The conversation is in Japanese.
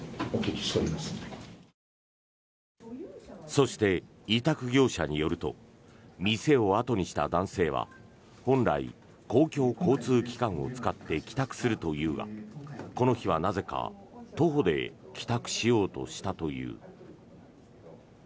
そして、委託業者によると店を後にした男性は本来、公共交通機関を使って帰宅するというがこの日はなぜか徒歩で帰宅しようとしたという。